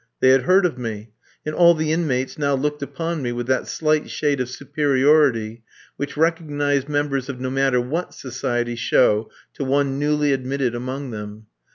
They had heard of me, and all the inmates now looked upon me with that slight shade of superiority which recognised members of no matter what society show to one newly admitted among them.